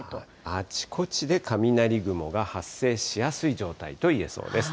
あちこちで雷雲が発生しやすい状態といえそうです。